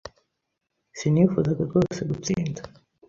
Sinifuzaga rwose gutsinda.